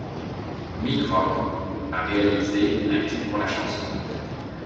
Mick Rock a réalisé un clip pour la chanson.